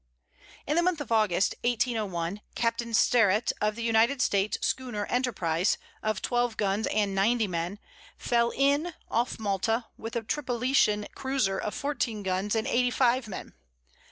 In the month of August, 1801, Captain Sterrett of the United States schooner Enterprize, of twelve guns and ninety men, fell in, off Malta, with a Tripolitan cruiser of fourteen guns and eighty five men.